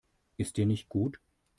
Ist dir nicht gut?